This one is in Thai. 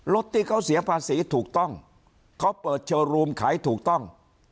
รถที่เขาเสียภาษีถูกต้องเขาเปิดเชอรูมขายถูกต้อง